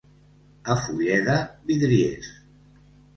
A Fulleda, vidriers.